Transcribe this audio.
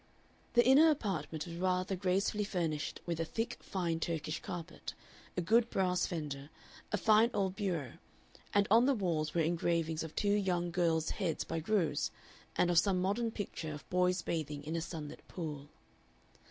The inner apartment was rather gracefully furnished with a thick, fine Turkish carpet, a good brass fender, a fine old bureau, and on the walls were engravings of two young girls' heads by Greuze, and of some modern picture of boys bathing in a sunlit pool.